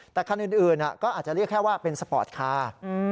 แต่คันอื่นก็อาจจะเรียกแค่ว่าเป็นสปอร์ตคาร์